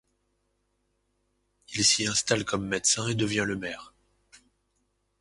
Il s'y installe comme médecin et en devient le maire.